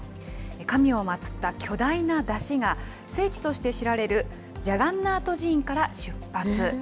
神を祭った巨大な山車が、聖地として知られるジャガンナート寺院から出発。